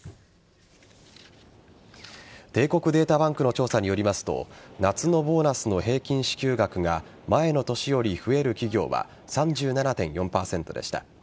帝国データバンクの調査によりますと夏のボーナスの平均支給額が前の年より増える企業は３７．４％でした。